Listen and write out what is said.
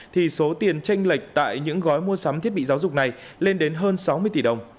thì số tiền tranh lệch tại những gói mua sắm thiết bị giáo dục này lên đến hơn sáu mươi tỷ đồng